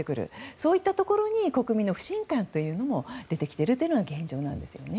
そういったところに国民の不信感というのも出てきているのが現状なんですよね。